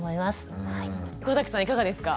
小さんいかがですか？